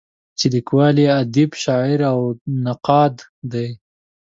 چې لیکوال یې ادیب، شاعر او نقاد دی.